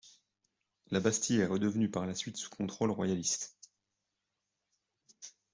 La Bastille est redevenue par la suite sous contrôle royaliste.